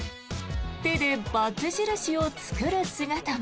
手でバツ印を作る姿も。